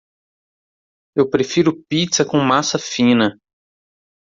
Eu prefiro pizza com massa fina.